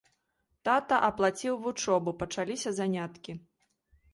Тата аплаціў вучобу, пачаліся заняткі.